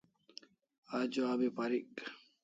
Ajo abi parik